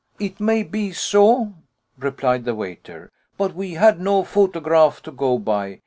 "It may be so," replied the waiter. "But we had no photograph to go by.